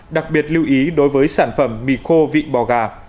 đặc biệt lưu ý đối với sản phẩm mì khô vịn bò gà